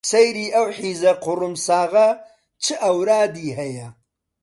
سەیری ئەو حیزە قوڕمساغە چ ئەورادی هەیە